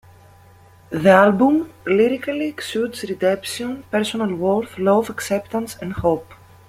The album lyrically exudes redemption, personal worth, love, acceptance, and hope.